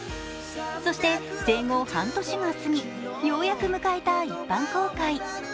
そして生後半年が過ぎ、ようやく迎えた一般公開。